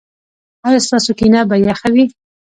ایا ستاسو کینه به یخه وي؟